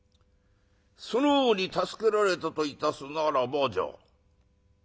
その方に助けられたといたすならばじゃ